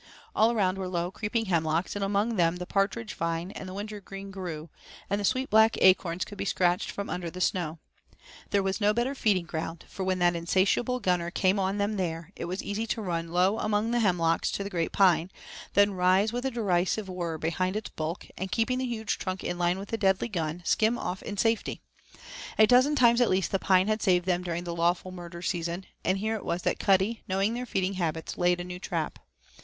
All around were low, creeping hemlocks, and among them the partridge vine and the wintergreen grew, and the sweet black acorns could be scratched from under the snow. There was no better feeding ground, for when that insatiable gunner came on them there it was easy to run low among the hemlocks to the great pine, then rise with a derisive whirr behind its bulk, and keeping the huge trunk in line with the deadly gun, skim off in safety. A dozen times at least the pine had saved them during the lawful murder season, and here it was that Cuddy, knowing their feeding habits, laid a new trap.